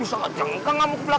yaudah cepetan ya